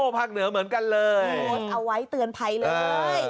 ภาคเหนือเหมือนกันเลยโพสต์เอาไว้เตือนภัยเลย